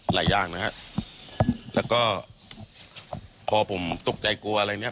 อย่างนะฮะแล้วก็พอผมตกใจกลัวอะไรเนี้ย